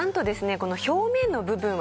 この表面の部分はですね